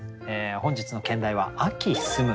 本日の兼題は「秋澄む」。